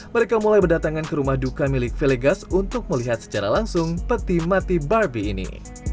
mereka mulai berdatangan ke rumah duka milik velegas untuk melihat secara langsung peti mati barbie ini